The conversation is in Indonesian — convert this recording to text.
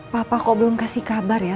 papa kok belum kasih kabar ya